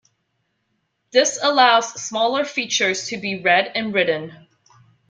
This allows smaller features to be read and written.